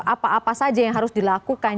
apa apa saja yang harus dilakukan